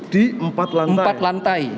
di empat lantai